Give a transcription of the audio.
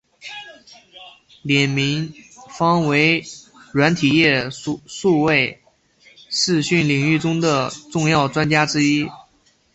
廖敏芳为软体业数位视讯领域中重要的专家之一。